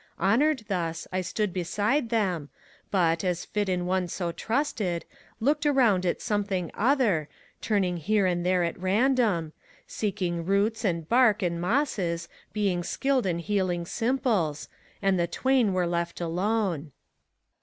ACT III. 171 Honored thus, I stood beside them, but, as fit in one so trusted, Looked arcmnd at something other, turning here and there at random, — Seeking roots, and bark, and mosses, being skilled in healing simples, — And the twain were left alone.